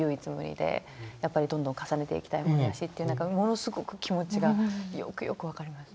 やっぱりどんどん重ねていきたいものだしって何かものすごく気持ちがよくよく分かります。